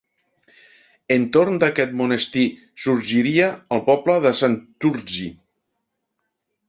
Entorn d'aquest monestir sorgiria el poble de Santurtzi.